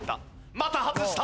また外した。